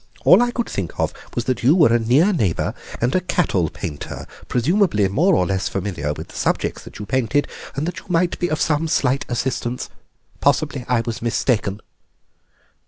All I could think of was that you were a near neighbour and a cattle painter, presumably more or less familiar with the subjects that you painted, and that you might be of some slight assistance. Possibly I was mistaken."